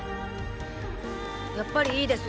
やっぱりいいです。